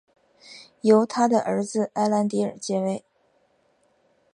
由他的儿子埃兰迪尔接位。